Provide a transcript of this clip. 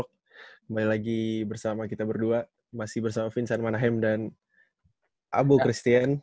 kembali lagi bersama kita berdua masih bersama vincent manahem dan abu christian